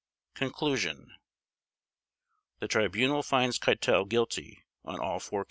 Conclusion The Tribunal finds Keitel guilty on all four Counts.